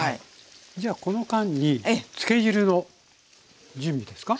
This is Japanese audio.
じゃあこの間につけ汁の準備ですか？